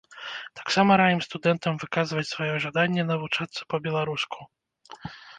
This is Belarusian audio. Таксама раім студэнтам выказваць сваё жаданне навучацца па-беларуску.